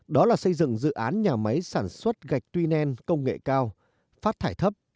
đó là xây dựng dự án nhà máy sản xuất gạch tuy nen công nghệ cao phát thải thấp